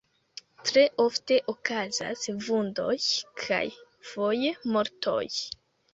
Tre ofte okazas vundoj kaj foje mortoj.